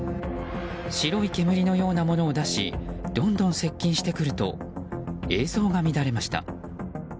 白い煙のようなものを出しどんどん接近してくると映像が乱れました。